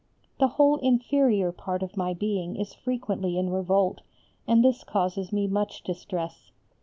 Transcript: The whole inferior part of my being is frequently in revolt, and this causes me much distress.